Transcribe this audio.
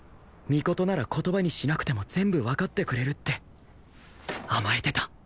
尊なら言葉にしなくても全部わかってくれるって甘えてた